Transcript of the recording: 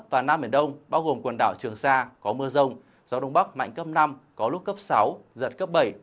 và nam biển đông bao gồm quần đảo trường sa có mưa rông gió đông bắc mạnh cấp năm có lúc cấp sáu giật cấp bảy